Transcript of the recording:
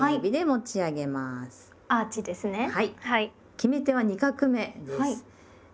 決め手は２画目です。